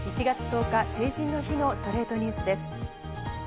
１月１０日、成人の日の『ストレイトニュース』です。